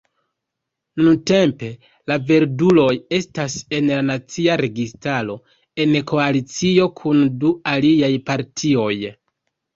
Nuntempe la Verduloj estas en la nacia registaro, en koalicio kun du aliaj partioj.